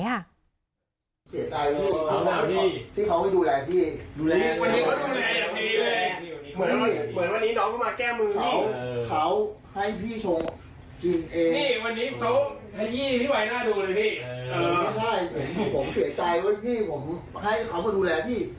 นี่ผมเสียใจว่าพี่ผมให้เขามาดูแลพี่